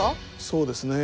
そうですね。